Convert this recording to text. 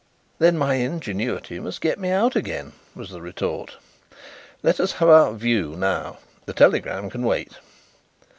"Then my ingenuity must get me out again," was the retort. "Let us have our 'view' now. The telegram can wait."